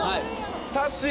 さっしー！